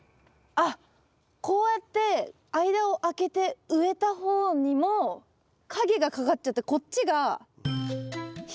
あっこうやって間を空けて植えた方にも影がかかっちゃってこっちが日が当たらないんだ。